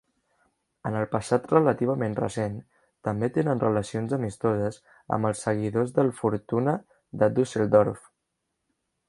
En el passat relativament recent, també tenen relacions amistoses amb els seguidors del Fortuna de Düsseldorf.